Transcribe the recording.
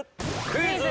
クイズ！